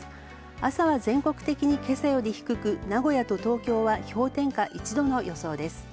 朝は全国的に今朝より低く名古屋と東京は氷点下１度の予想です。